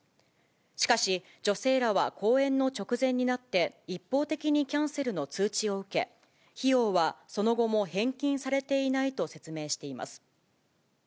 しかし、女性らは公演の直前になって、一方的にキャンセルの通知を受け、費用はその後も返金されていないと説明しています。